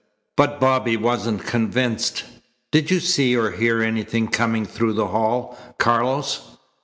But Bobby wasn't convinced. "Did you see or hear anything coming through the hall, Carlos?"